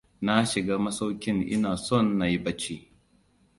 Na shiga masaukin ina son na yi barci.